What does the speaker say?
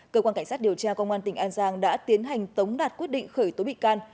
cơ quan cảnh sát điều tra công an tỉnh an giang đã tiến hành tống đạt quyết định khởi tố bị can